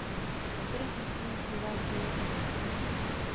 Autorem písně je zpěvák Joey Tempest.